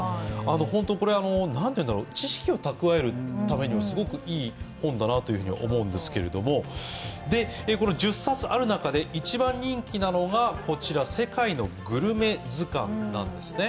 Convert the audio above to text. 本当に知識を蓄えるためにもすごくいい本だなというふうに思うんですけれども、１０冊ある中で一番人気なのが「世界のグルメ図鑑」なんですね。